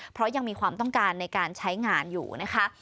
เพราะยังมีความต้องการในการใช้งานอยู่นะคะ